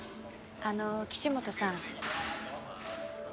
あの岸本さん。